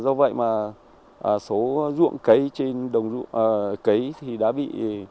do vậy mà số ruộng cây trên đồng ruộng cây thì đã bị